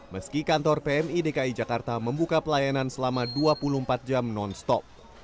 meski kantor pmi dki jakarta membuka pelayanan selama dua puluh empat jam non stop